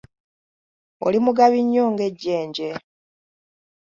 Oli mugabi nnyo ng'ejjenje